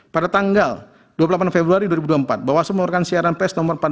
pada tanggal dua puluh delapan februari dua ribu dua puluh empat bawasem mengeluarkan siaran pes no empat belas